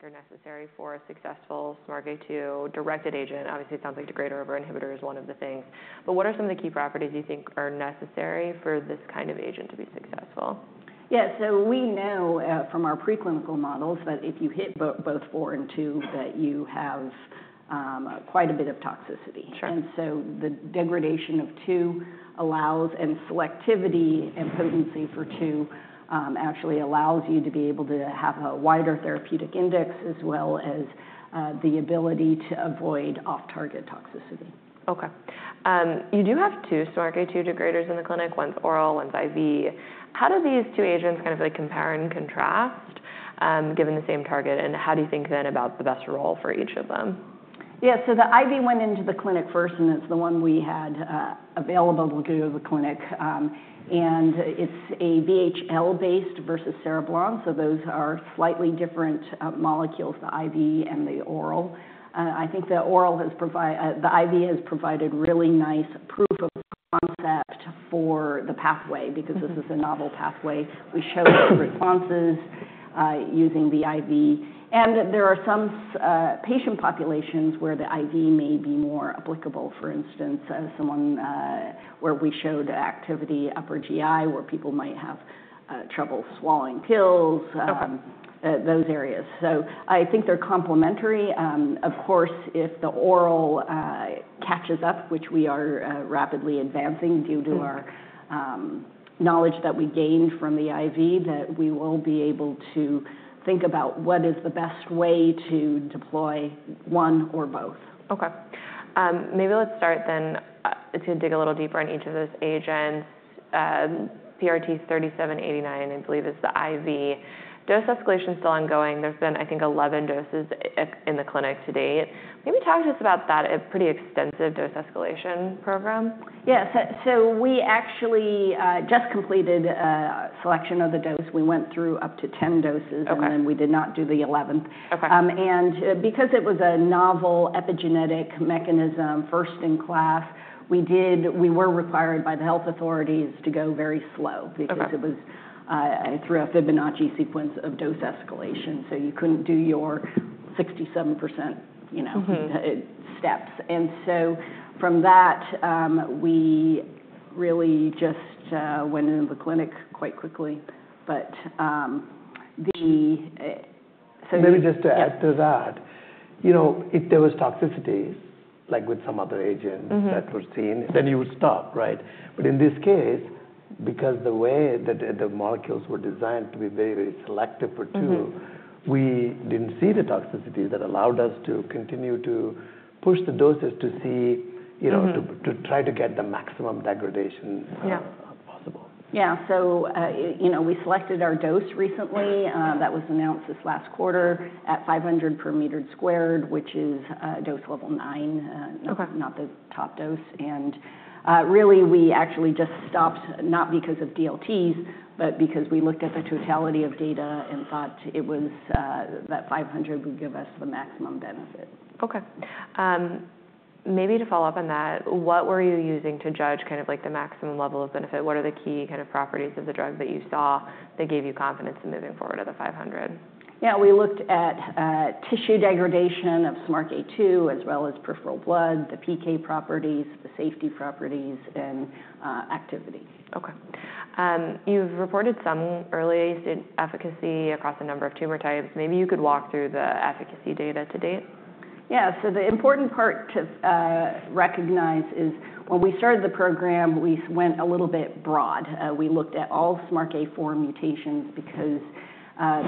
Are necessary for a successful SMARCA2 directed agent? Obviously, it sounds like degrader or inhibitor is one of the things. What are some of the key properties you think are necessary for this kind of agent to be successful? Yeah, so we know from our pre-clinical models that if you hit both four and two, that you have quite a bit of toxicity. The degradation of two allows and selectivity and potency for two actually allows you to be able to have a wider therapeutic index as well as the ability to avoid off-target toxicity. OK. You do have two SMARCA2 degraders in the clinic. One's oral, one's IV. How do these two agents kind of compare and contrast given the same target? How do you think then about the best role for each of them? Yeah, the IV went into the clinic first, and it's the one we had available to go to the clinic. It's a VHL-based versus Cereblon. Those are slightly different molecules, the IV and the oral. I think the IV has provided really nice proof of concept for the pathway because this is a novel pathway. We showed responses using the IV. There are some patient populations where the IV may be more applicable, for instance, where we showed activity in upper GI where people might have trouble swallowing pills, those areas. I think they're complementary. Of course, if the oral catches up, which we are rapidly advancing due to our knowledge that we gained from the IV, we will be able to think about what is the best way to deploy one or both. OK. Maybe let's start then to dig a little deeper on each of those agents. PRT3789, I believe, is the IV. Dose escalation is still ongoing. There's been, I think, 11 doses in the clinic to date. Can you talk to us about that pretty extensive dose escalation program? Yeah, so we actually just completed a selection of the dose. We went through up to 10 doses, and then we did not do the 11th. Because it was a novel epigenetic mechanism, first in class, we were required by the health authorities to go very slow because it was through a Fibonacci sequence of dose escalation. You could not do your 67% steps. From that, we really just went into the clinic quite quickly. But the. Maybe just to add to that, you know, if there was toxicity, like with some other agents that were seen, then you would stop, right? In this case, because the way that the molecules were designed to be very, very selective for two, we did not see the toxicity that allowed us to continue to push the doses to see, you know, to try to get the maximum degradation possible. Yeah, so you know we selected our dose recently that was announced this last quarter at 500 per meter squared, which is dose level nine, not the top dose. We actually just stopped not because of DLTs, but because we looked at the totality of data and thought that 500 would give us the maximum benefit. OK. Maybe to follow up on that, what were you using to judge kind of like the maximum level of benefit? What are the key kind of properties of the drug that you saw that gave you confidence in moving forward to the 500? Yeah, we looked at tissue degradation of SMARCA2 as well as peripheral blood, the PK properties, the safety properties, and activity. OK. You've reported some early efficacy across a number of tumor types. Maybe you could walk through the efficacy data to date. Yeah, so the important part to recognize is when we started the program, we went a little bit broad. We looked at all SMARCA4 mutations because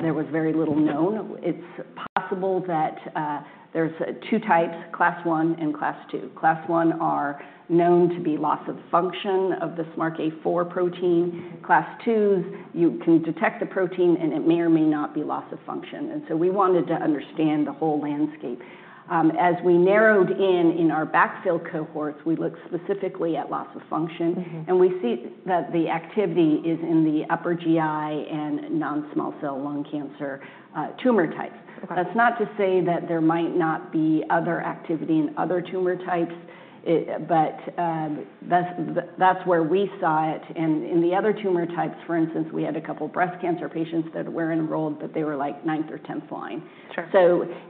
there was very little known. It's possible that there's two types, class 1 and class 2. Class one are known to be loss of function of the SMARCA4 protein. Class two's, you can detect the protein, and it may or may not be loss of function. We wanted to understand the whole landscape. As we narrowed in in our backfill cohorts, we looked specifically at loss of function. We see that the activity is in the upper GI and non-small cell lung cancer tumor types. That's not to say that there might not be other activity in other tumor types, but that's where we saw it. In the other tumor types, for instance, we had a couple of breast cancer patients that were enrolled, but they were like ninth or tenth line.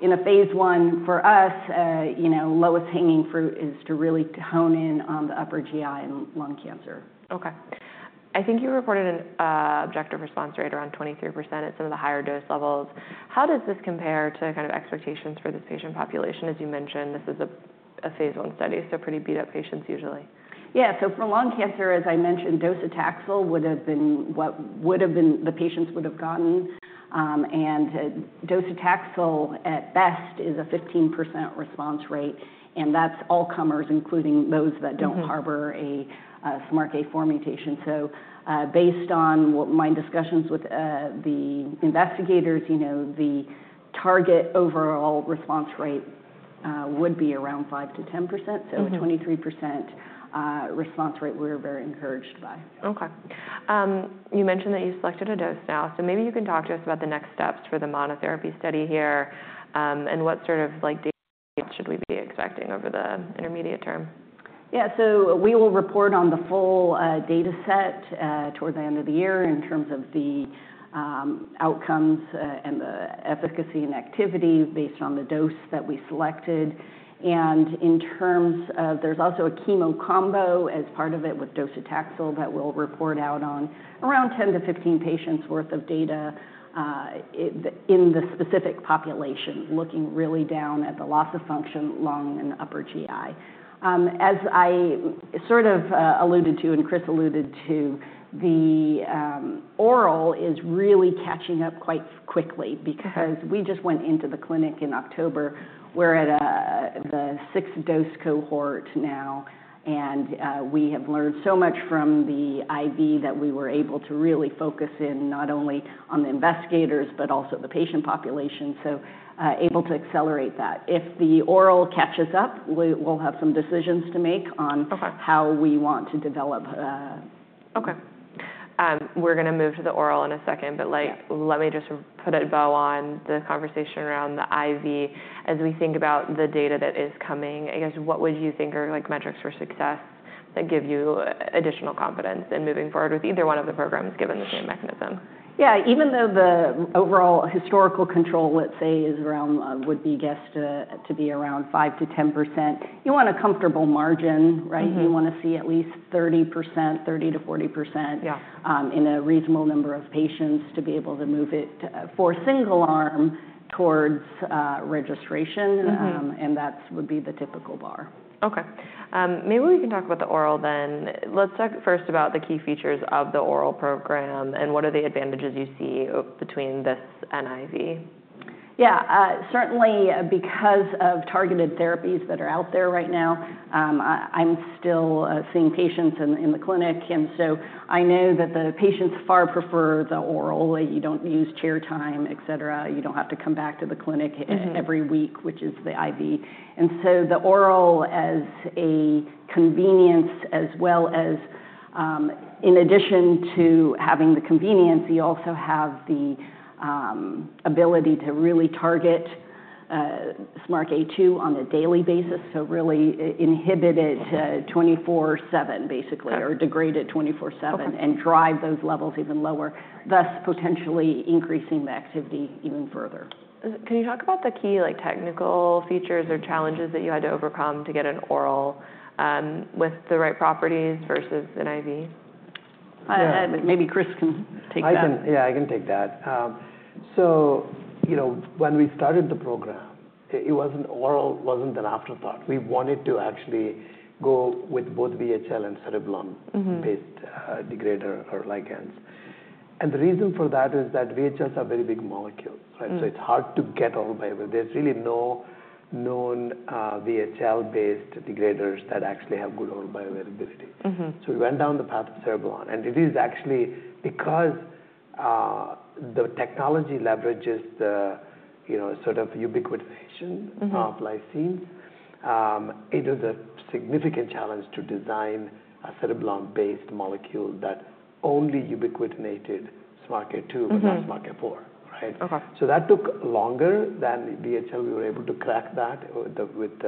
In a phase 1 for us, you know, lowest hanging fruit is to really hone in on the upper GI and lung cancer. OK. I think you reported an objective response rate around 23% at some of the higher dose levels. How does this compare to kind of expectations for this patient population? As you mentioned, this is a phase 1 study, so pretty beat-up patients usually. Yeah, so for lung cancer, as I mentioned, docetaxel would have been what the patients would have gotten. Docetaxel at best is a 15% response rate. That is all comers, including those that do not harbor a SMARCA4 mutation. Based on my discussions with the investigators, you know, the target overall response rate would be around 5%-10%. A 23% response rate we are very encouraged by. OK. You mentioned that you selected a dose now. Maybe you can talk to us about the next steps for the monotherapy study here. What sort of data should we be expecting over the intermediate term? Yeah, we will report on the full data set toward the end of the year in terms of the outcomes and the efficacy and activity based on the dose that we selected. In terms of there's also a chemo combo as part of it with docetaxel that we'll report out on around 10-15 patients' worth of data in the specific population, looking really down at the loss of function, lung, and upper GI. As I sort of alluded to and Kris alluded to, the oral is really catching up quite quickly because we just went into the clinic in October. We're at the sixth dose cohort now. We have learned so much from the IV that we were able to really focus in not only on the investigators, but also the patient population. Able to accelerate that. If the oral catches up, we'll have some decisions to make on how we want to develop. OK. We're going to move to the oral in a second. Let me just put a bow on the conversation around the IV. As we think about the data that is coming, I guess, what would you think are metrics for success that give you additional confidence in moving forward with either one of the programs given the same mechanism? Yeah, even though the overall historical control, let's say, would be guessed to be around 5%-10%, you want a comfortable margin, right? You want to see at least 30%, 30%-40% in a reasonable number of patients to be able to move it for single arm towards registration. That would be the typical bar. OK. Maybe we can talk about the oral then. Let's talk first about the key features of the oral program. What are the advantages you see between this and IV? Yeah, certainly because of targeted therapies that are out there right now, I'm still seeing patients in the clinic. I know that the patients far prefer the oral. You don't use chair time, et cetera. You don't have to come back to the clinic every week, which is the IV. The oral as a convenience, as well as in addition to having the convenience, you also have the ability to really target SMARCA2 on a daily basis. You really inhibit it 24/7, basically, or degrade it 24/7 and drive those levels even lower, thus potentially increasing the activity even further. Can you talk about the key technical features or challenges that you had to overcome to get an oral with the right properties versus an IV? Maybe Kris can take that. Yeah, I can take that. When we started the program, oral was not an afterthought. We wanted to actually go with both VHL and Cereblon-based degraders or like ends. The reason for that is that VHLs are very big molecules, right? It is hard to get oral viability. There are really no known VHL-based degraders that actually have good oral viability. We went down the path of Cereblon. It is actually because the technology leverages the sort of ubiquitization of lysine, it is a significant challenge to design a Cereblon-based molecule that only ubiquitinated SMARCA2, but not SMARCA4, right? That took longer than VHL. We were able to crack that with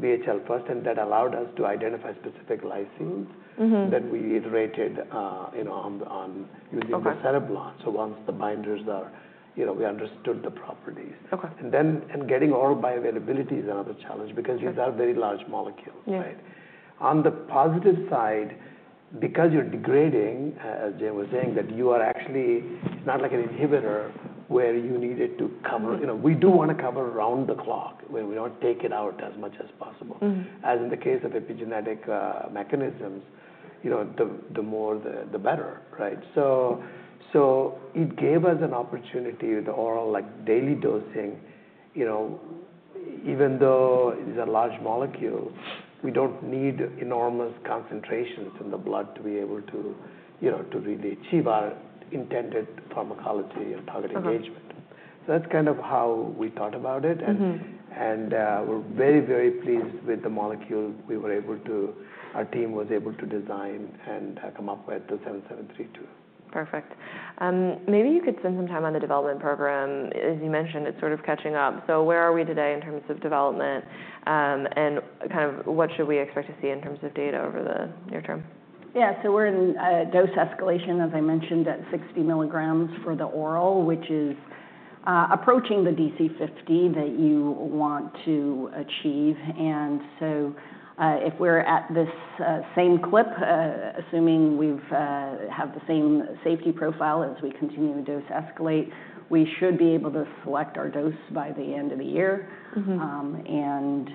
VHL first. That allowed us to identify specific lysines that we iterated on using the Cereblon. Once the binders are, you know, we understood the properties. Getting oral viability is another challenge because these are very large molecules, right? On the positive side, because you're degrading, as Jane was saying, you are actually—it's not like an inhibitor where you need it to cover. We do want to cover around the clock. We want to take it out as much as possible. As in the case of epigenetic mechanisms, you know, the more, the better, right? It gave us an opportunity with the oral, like daily dosing, you know, even though it is a large molecule, we don't need enormous concentrations in the blood to be able to really achieve our intended pharmacology and target engagement. That's kind of how we thought about it. We're very, very pleased with the molecule our team was able to design and come up with, the 7732. Perfect. Maybe you could spend some time on the development program. As you mentioned, it's sort of catching up. Where are we today in terms of development? What should we expect to see in terms of data over the near term? Yeah, so we're in dose escalation, as I mentioned, at 60 milligrams for the oral, which is approaching the DC50 that you want to achieve. If we're at this same clip, assuming we have the same safety profile as we continue to dose escalate, we should be able to select our dose by the end of the year and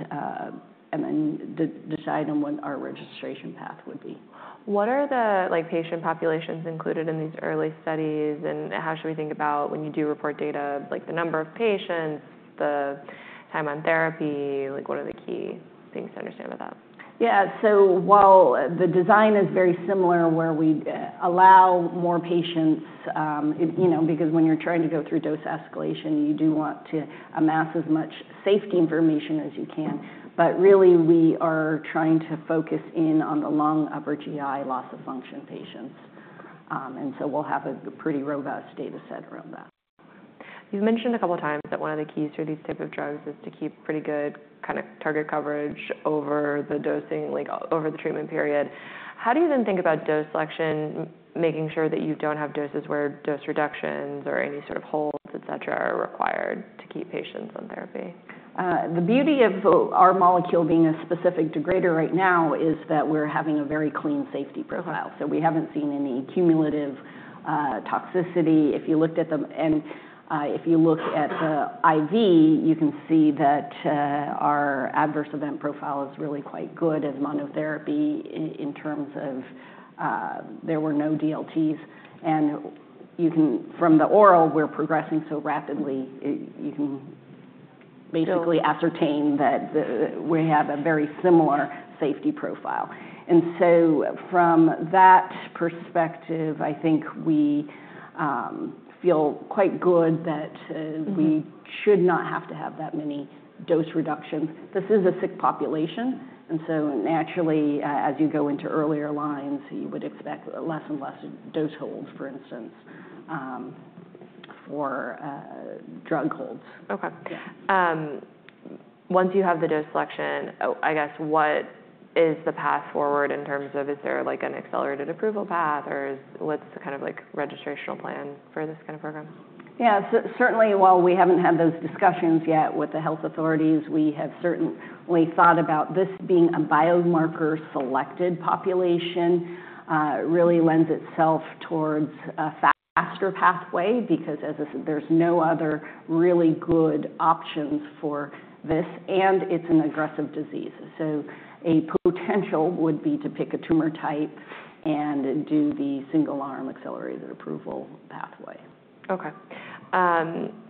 then decide on what our registration path would be. What are the patient populations included in these early studies? How should we think about when you do report data, like the number of patients, the time on therapy? What are the key things to understand about that? Yeah, so while the design is very similar where we allow more patients, you know, because when you're trying to go through dose escalation, you do want to amass as much safety information as you can. Really, we are trying to focus in on the lung upper GI loss of function patients. And so we'll have a pretty robust data set around that. You've mentioned a couple of times that one of the keys for these types of drugs is to keep pretty good kind of target coverage over the dosing, like over the treatment period. How do you then think about dose selection, making sure that you don't have doses where dose reductions or any sort of holds, et cetera, are required to keep patients on therapy? The beauty of our molecule being a specific degrader right now is that we're having a very clean safety profile. We haven't seen any cumulative toxicity. If you look at the IV, you can see that our adverse event profile is really quite good as monotherapy in terms of there were no DLTs. From the oral, we're progressing so rapidly, you can basically ascertain that we have a very similar safety profile. From that perspective, I think we feel quite good that we should not have to have that many dose reductions. This is a sick population. Naturally, as you go into earlier lines, you would expect less and less dose holds, for instance, for drug holds. OK. Once you have the dose selection, I guess, what is the path forward in terms of is there like an accelerated approval path? Or what's the kind of registrational plan for this kind of program? Yeah, certainly while we haven't had those discussions yet with the health authorities, we have certainly thought about this being a biomarker-selected population really lends itself towards a faster pathway because there's no other really good options for this. It is an aggressive disease. A potential would be to pick a tumor type and do the single arm accelerated approval pathway. OK.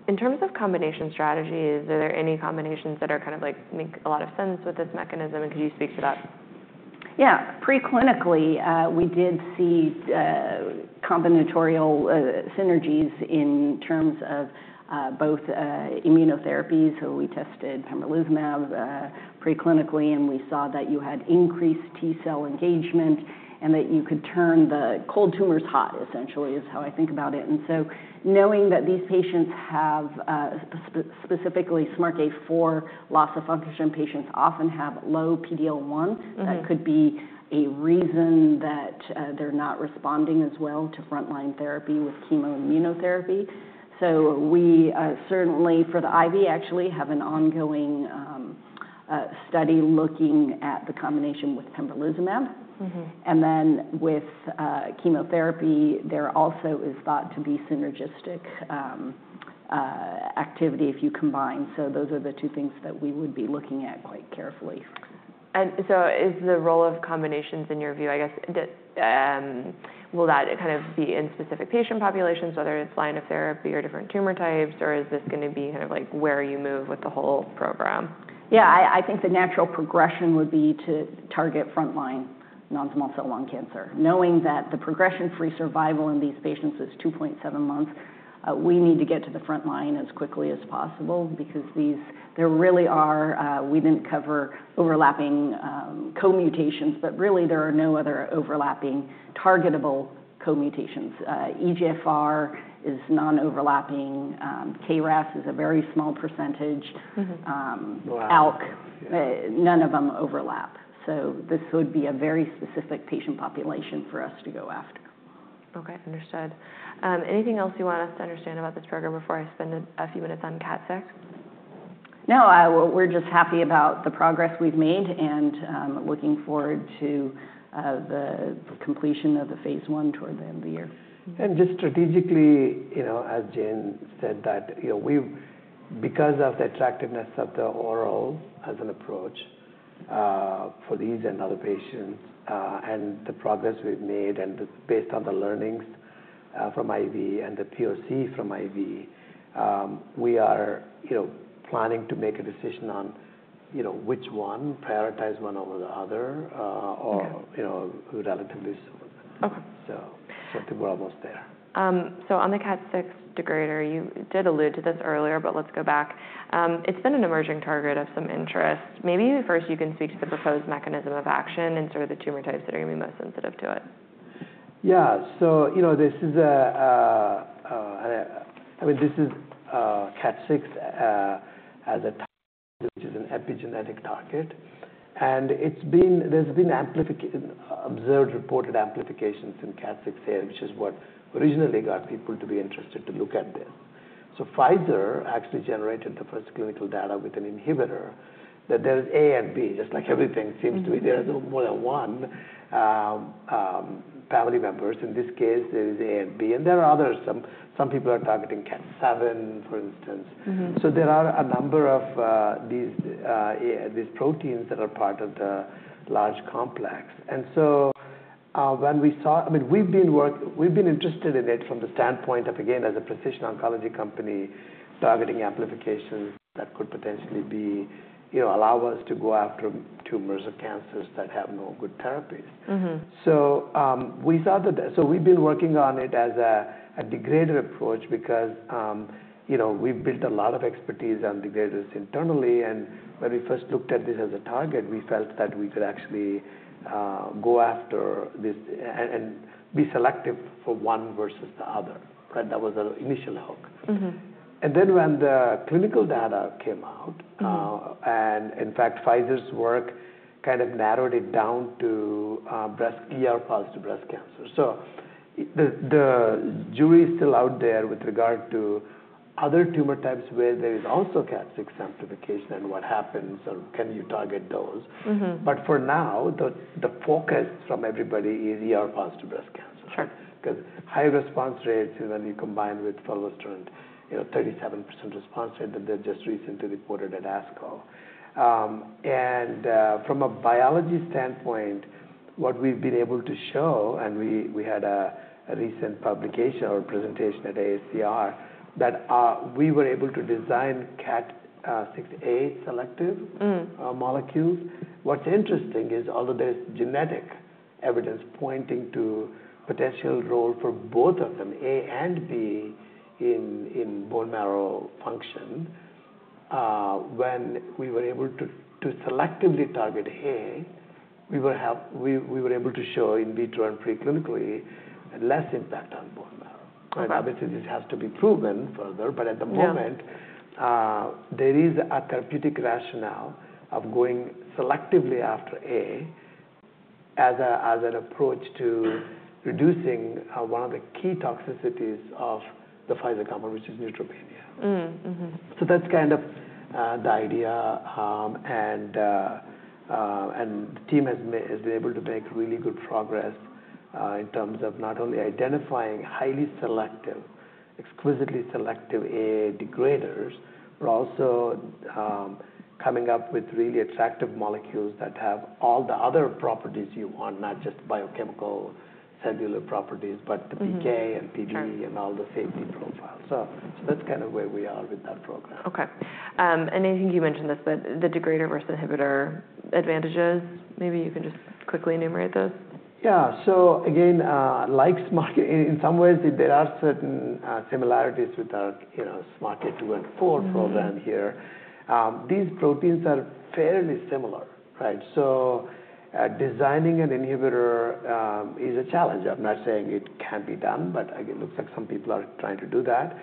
In terms of combination strategies, are there any combinations that are kind of like make a lot of sense with this mechanism? Could you speak to that? Yeah, preclinically, we did see combinatorial synergies in terms of both immunotherapies. We tested pembrolizumab preclinically. We saw that you had increased T-Cell engagement and that you could turn the cold tumors hot, essentially, is how I think about it. Knowing that these patients have specifically SMARCA4 loss of function, patients often have low PD-L1. That could be a reason that they're not responding as well to frontline therapy with chemoimmunotherapy. We certainly for the IV actually have an ongoing study looking at the combination with pembrolizumab. With chemotherapy, there also is thought to be synergistic activity if you combine. Those are the two things that we would be looking at quite carefully. Is the role of combinations in your view, I guess, will that kind of be in specific patient populations, whether it's line of therapy or different tumor types? Or is this going to be kind of like where you move with the whole program? Yeah, I think the natural progression would be to target frontline non-small cell lung cancer. Knowing that the progression-free survival in these patients is 2.7 months, we need to get to the front line as quickly as possible because there really are we didn't cover overlapping co-mutations. Really, there are no other overlapping targetable co-mutations. EGFR is non-overlapping. KRAS is a very small percentage. ALK, none of them overlap. This would be a very specific patient population for us to go after. OK, understood. Anything else you want us to understand about this program before I spend a few minutes on CDK6? No, we're just happy about the progress we've made and looking forward to the completion of the phase one toward the end of the year. Just strategically, you know, as Jane said, that because of the attractiveness of the oral as an approach for these and other patients and the progress we've made and based on the learnings from IV and the POC from IV, we are planning to make a decision on which one, prioritize one over the other, or relatively soon. I think we're almost there. On the CDK6 degrader, you did allude to this earlier, but let's go back. It's been an emerging target of some interest. Maybe first you can speak to the proposed mechanism of action and sort of the tumor types that are going to be most sensitive to it. Yeah, so you know this is a, I mean, this is CDK6 as a target, which is an epigenetic target. And there's been observed reported amplifications in CDK6 here, which is what originally got people to be interested to look at this. Pfizer actually generated the first clinical data with an inhibitor that there is A and B, just like everything seems to be. There are no more than one family members. In this case, there is A and B. And there are others. Some people are targeting CDK7, for instance. There are a number of these proteins that are part of the large complex. When we saw, I mean, we've been interested in it from the standpoint of, again, as a precision oncology company targeting amplifications that could potentially allow us to go after tumors or cancers that have no good therapies. We saw that we have been working on it as a degrader approach because we have built a lot of expertise on degraders internally. When we first looked at this as a target, we felt that we could actually go after this and be selective for one versus the other. That was our initial hope. When the clinical data came out, and in fact, Pfizer's work kind of narrowed it down to positive breast cancer. The jury is still out there with regard to other tumor types where there is also CDK6 amplification and what happens, or can you target those. For now, the focus from everybody is positive breast cancer because high response rates when you combine with fellow students, 37% response rate that they have just recently reported at ASCO. From a biology standpoint, what we've been able to show, and we had a recent publication or presentation at AACR, that we were able to design CDK6A selective molecules. What's interesting is, although there is genetic evidence pointing to potential role for both of them, A and B in bone marrow function, when we were able to selectively target A, we were able to show in vitro and preclinically less impact on bone marrow. Obviously, this has to be proven further. At the moment, there is a therapeutic rationale of going selectively after A as an approach to reducing one of the key toxicities of the Pfizer compound, which is neutropenia. That's kind of the idea. The team has been able to make really good progress in terms of not only identifying highly selective, exquisitely selective A degraders, but also coming up with really attractive molecules that have all the other properties you want, not just biochemical cellular properties, but the PK and PD and all the safety profiles. That is kind of where we are with that program. OK. I think you mentioned this, but the degrader versus inhibitor advantages, maybe you can just quickly enumerate those? Yeah, so again, like SMARCA, in some ways, there are certain similarities with our SMARCA2 and SMARCA4 program here. These proteins are fairly similar, right? Designing an inhibitor is a challenge. I'm not saying it can't be done, but it looks like some people are trying to do that.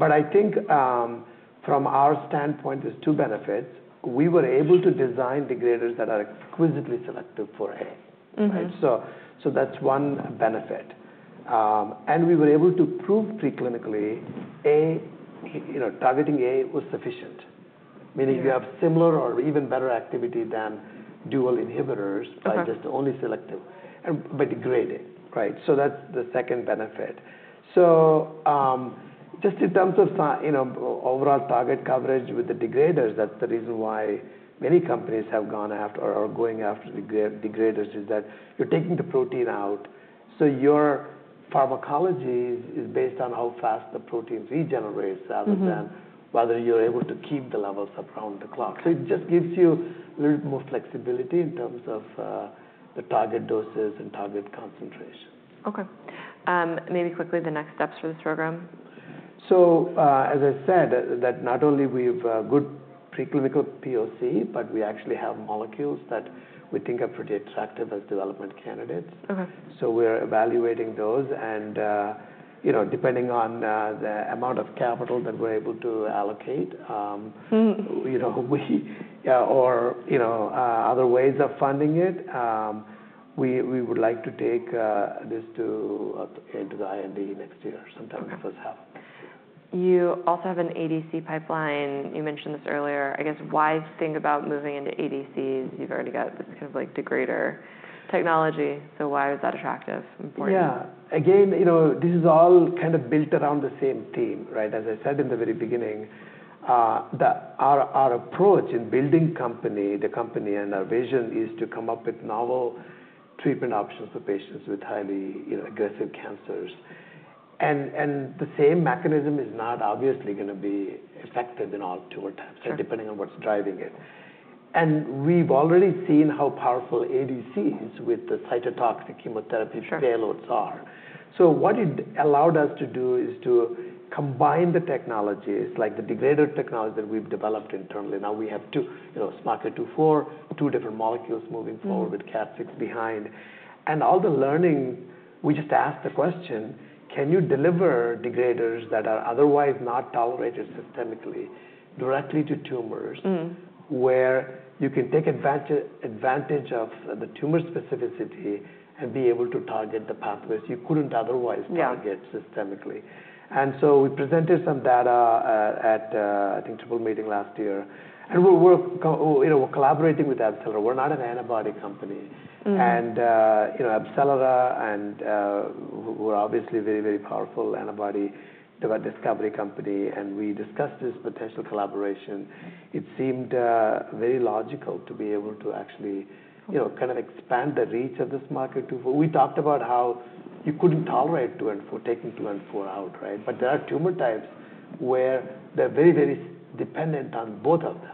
I think from our standpoint, there are two benefits. We were able to design degraders that are exquisitely selective for A. That is one benefit. We were able to prove preclinically targeting A was sufficient, meaning you have similar or even better activity than dual inhibitors by just only selective but degrading. That is the second benefit. Just in terms of overall target coverage with the degraders, that is the reason why many companies have gone after or are going after degraders, because you are taking the protein out. Your pharmacology is based on how fast the protein regenerates rather than whether you're able to keep the levels around the clock. It just gives you a little bit more flexibility in terms of the target doses and target concentration. OK. Maybe quickly, the next steps for this program? As I said, not only do we have good preclinical POC, but we actually have molecules that we think are pretty attractive as development candidates. We're evaluating those. Depending on the amount of capital that we're able to allocate or other ways of funding it, we would like to take this into the IND next year. Sometimes it does happen. You also have an ADC pipeline. You mentioned this earlier. I guess why think about moving into ADCs? You've already got this kind of like degrader technology. So why is that attractive? Yeah, again, this is all kind of built around the same theme, right? As I said in the very beginning, our approach in building the company and our vision is to come up with novel treatment options for patients with highly aggressive cancers. The same mechanism is not obviously going to be effective in all tumor types, depending on what's driving it. We've already seen how powerful ADCs with the cytotoxic chemotherapy payloads are. What it allowed us to do is to combine the technologies, like the degrader technology that we've developed internally. Now we have SMARCA2, SMARCA4, two different molecules moving forward with CDK6 behind. All the learning, we just asked the question, can you deliver degraders that are otherwise not tolerated systemically directly to tumors where you can take advantage of the tumor specificity and be able to target the pathways you could not otherwise target systemically? We presented some data at, I think, a triple meeting last year. We are collaborating with AbCellera. We are not an antibody company. AbCellera is obviously a very, very powerful antibody discovery company. We discussed this potential collaboration. It seemed very logical to be able to actually kind of expand the reach of the SMARCA2, IV. We talked about how you could not tolerate II and IV, taking II and IV out, right? There are tumor types where they are very, very dependent on both of them.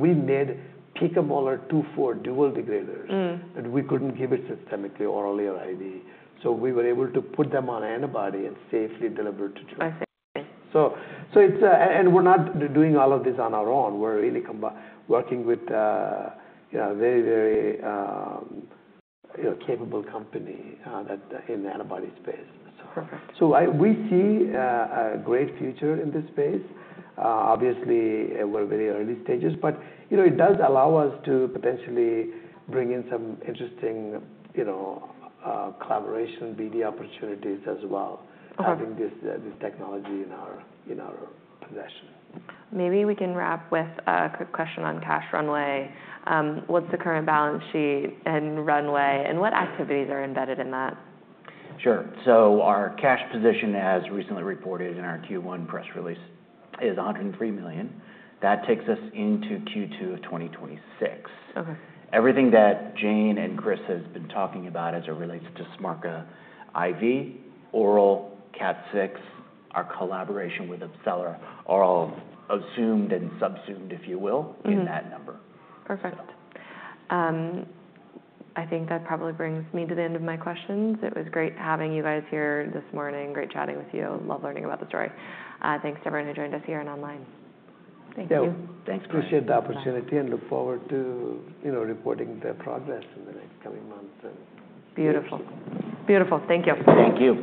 We made picomolar II, IV dual degraders that we could not give systemically orally or IV. We were able to put them on antibody and safely deliver two drugs. We are not doing all of this on our own. We are really working with a very, very capable company in the antibody space. We see a great future in this space. Obviously, we are very early stages. It does allow us to potentially bring in some interesting collaboration BD opportunities as well, having this technology in our possession. Maybe we can wrap with a quick question on cash runway. What's the current balance sheet and runway? What activities are embedded in that? Sure. Our cash position, as recently reported in our Q1 press release, is $103 million. That takes us into Q2 of 2026. Everything that Jane and Chris has been talking about as it relates to SMARCA, oral, CDK6, our collaboration with AbCellera are all zoomed and sub-zoomed, if you will, in that number. Perfect. I think that probably brings me to the end of my questions. It was great having you guys here this morning, great chatting with you. Love learning about the story. Thanks to everyone who joined us here and online. Thank you. Thanks. Appreciate the opportunity and look forward to reporting the progress in the next coming months. Beautiful. Beautiful. Thank you. Thank you.